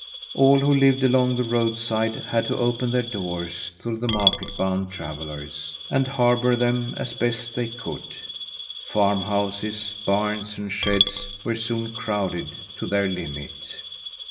All who lived along the roadside had to open their doors to the market bound travellers, and harbour them as best they could. Farm houses, barns, and sheds were soon crowded to their limit.